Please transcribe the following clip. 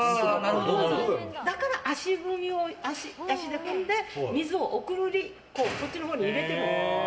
だから足踏み、足で踏んで水をくんで田んぼのほうに入れてるの。